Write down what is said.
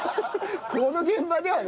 この現場ではね。